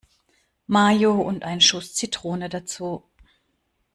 Mayo und ein Schuss Zitrone dazu.